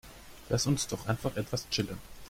Lass uns doch einfach etwas chillen.